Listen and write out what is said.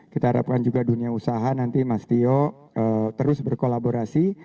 kita harapkan juga dunia usaha nanti mas tio terus berkolaborasi